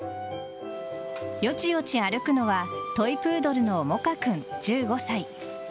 よちよち歩くのはトイプードルのモカ君１５歳。